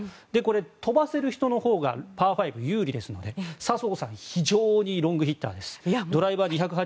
飛ばせるほうがパー５有利ですので笹生さんは非常にロングヒッターです。